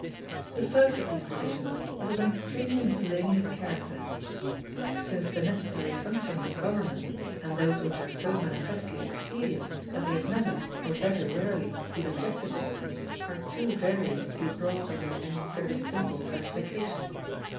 The first of these divisions is of an extremely miscellaneous character: since the necessary functions of government, and those which are so manifestly expedient that they have never or very rarely been objected to, are too various to be brought under any very simple classification.